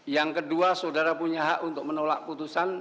yang kedua saudara punya hak untuk menolak putusan